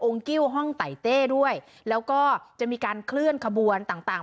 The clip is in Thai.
องค์กิ้วห้องไตเต้ด้วยแล้วก็จะมีการคลื่นขบวนต่าง